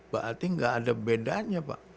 berarti gak ada bedanya